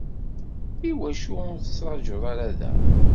Iwacu ur tettrajuḍ ara da?